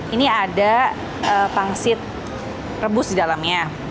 ini ada pangsit rebus di dalamnya